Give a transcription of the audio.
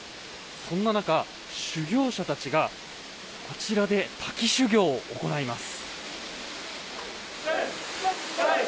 そんな中、修行者たちがあちらで滝修行を行います。